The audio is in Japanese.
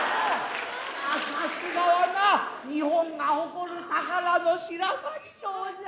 さすがはな日本が誇る宝の白鷺城じゃ。